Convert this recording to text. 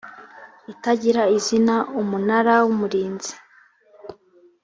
itagira izina umunara w umurinzi